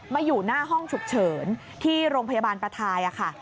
อยู่หน้าห้องฉุกเฉินที่โรงพยาบาลประทายค่ะ